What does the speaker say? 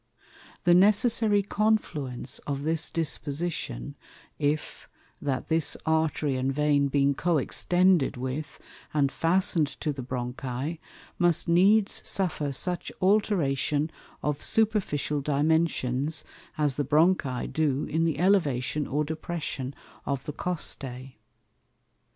The necessary confluence of this Disposition if, that this Artery and Vein being co extended with, and fasten'd to the Bronchi, must needs suffer such alteration of Superficial Dimensions, as the Bronchi do in the Elevation or Depression of the Costæ.